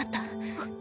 あっ。